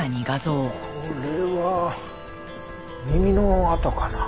これは耳の跡かな？